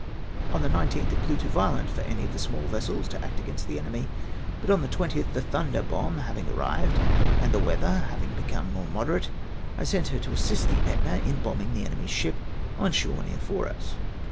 On the 1 9th it blew too violent for any of the small vessels to act against the enemy ; but on the 20th, the Tltunder bomb liaving arrived, and the weather having become more moderate, I sent her to assist the Etna in bombarding the enemy's ship, on shore near Fouras.